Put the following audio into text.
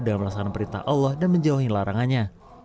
dalam melaksanakan perintah allah dan menjauhi larangannya